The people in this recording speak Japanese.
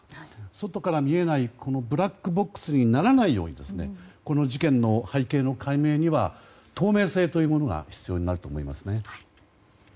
外から見えないブラックボックスにならないようにこの事件の背景の解明には透明性が必要になると思います。